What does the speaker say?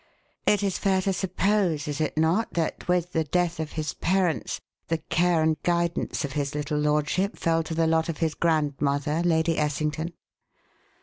It is fair to suppose, is it not, that, with the death of his parents, the care and guidance of his little lordship fell to the lot of his grandmother, Lady Essington?"